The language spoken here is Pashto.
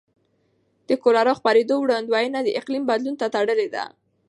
د کولرا خپرېدو وړاندوینه د اقلیم بدلون ته تړلې ده.